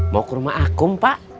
mau ke rumah akun pak